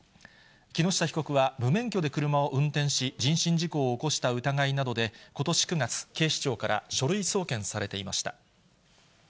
木下被告は無免許で車を運転し、人身事故を起こした疑いなどで、ことし９月、警視庁から書類送検されていました。